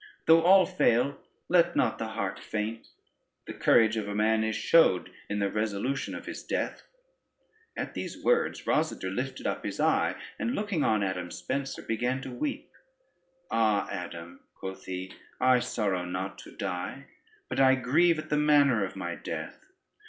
though all fail, let not the heart faint: the courage of a man is showed in the resolution of his death." At these words Rosader lifted up his eye, and looking on Adam Spencer, began to weep. "Ah, Adam," quoth he, "I sorrow not to die, but I grieve at the manner of my death.